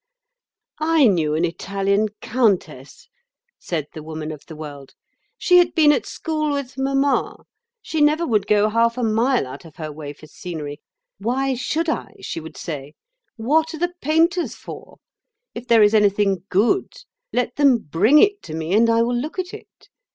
"I knew an Italian countess," said the Woman of the World; "she had been at school with mamma. She never would go half a mile out of her way for scenery. 'Why should I?' she would say. 'What are the painters for? If there is anything good, let them bring it to me and I will look at it.